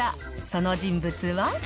その人物は？